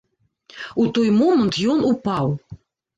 У той момант ён упаў.